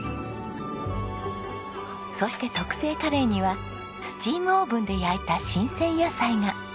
そして特製カレーにはスチームオーブンで焼いた新鮮野菜が。